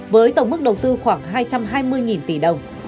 với tổng mức đầu tư khoảng hai trăm hai mươi tỷ đồng